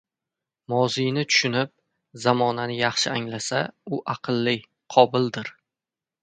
– moziyni tushunib, zamonani yaxshi anglasa u aqlli, qobildir;